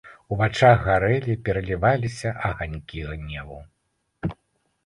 У вачах гарэлі, пераліваліся аганькі гневу.